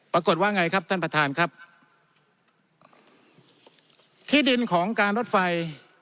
ปรากฏว่าไงครับท่านประธานครับที่ดินของการรถไฟ